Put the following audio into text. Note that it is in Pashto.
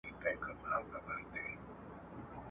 ده په داسې چاپېريال کې لوی شو چې پښتني کړه وړه زده کړل